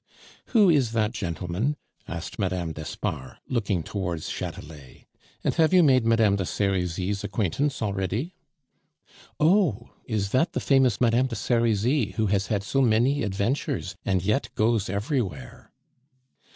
"Who is that gentleman?" asked Mme. d'Espard, looking towards Chatelet. "And have you made Mme. de Serizy's acquaintance already?" "Oh! is that the famous Mme. de Serizy who has had so many adventures and yet goes everywhere?"